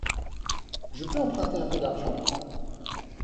Je peux emprunter un peu d’argent ?